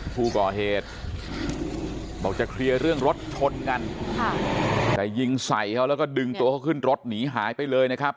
ผู้ก่อเหตุบอกจะเคลียร์เรื่องรถชนกันแต่ยิงใส่เขาแล้วก็ดึงตัวเขาขึ้นรถหนีหายไปเลยนะครับ